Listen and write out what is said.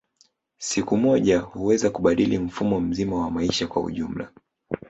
Siku moja huweza kubadili mfumo mzima wa maisha kwa ujumla